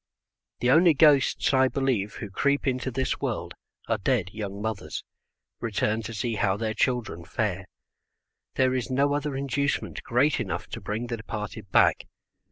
The only ghosts, I believe, who creep into this world, are dead young mothers, returned to see how their children fare. There is no other inducement great enough to bring the departed back.